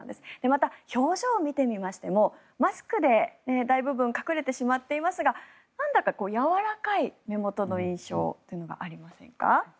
また、表情を見てみましてもマスクで大部分隠れてしまっていますがなんだかやわらかい目元の印象というのがありませんか？